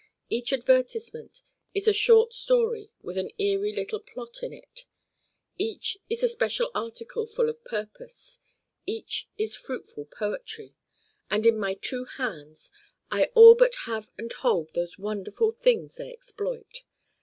Each advertisement is a short story with an eerie little 'plot' in it: each is a special article full of purpose: each is fruitful poetry: and in my two hands I all but have and hold those wonderful Things they exploit.